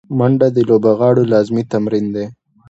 منډه د لوبغاړو لازمي تمرین دی